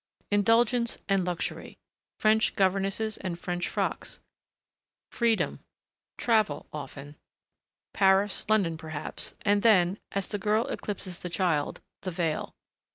Indulgence and luxury. French governesses and French frocks ... freedom, travel, often, Paris, London, perhaps and then, as the girl eclipses the child the veil.